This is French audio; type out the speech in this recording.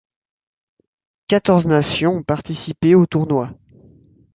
Quatorze nations ont participé au tournoi.